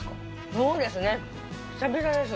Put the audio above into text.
そうですね、久々です。